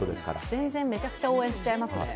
全然めちゃくちゃ応援しちゃいますね。